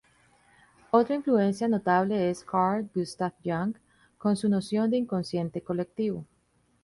Otra influencia notable es Carl Gustav Jung, con su noción de inconsciente colectivo.